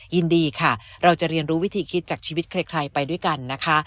ยินดีค่ะเราจะเรียนรู้วิธีคิดจากชีวิตใครไปด้วยกันนะคะ